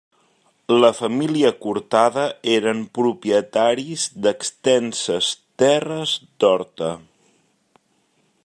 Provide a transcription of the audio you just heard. La família Cortada eren propietaris d'extenses terres d'Horta.